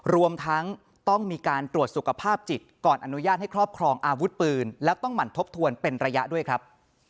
รวมทั้งต้องมีการตรวจสุขภาพจิตก่อนอนุญาตให้ครอบครองอาวุธปืนแล้วต้องหมั่นทบทวนเป็นระยะด้วยครับ